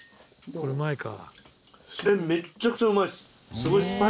これうまいか。